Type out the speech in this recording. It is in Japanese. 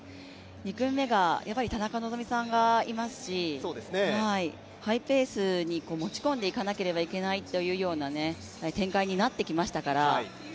２組目がやっぱり田中希実さんがいますし、ハイペースに持ち込んでいかなければいけないという展開になってきましたから。